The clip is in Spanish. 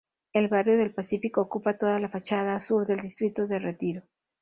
El barrio del Pacífico ocupa toda la fachada sur del distrito de Retiro.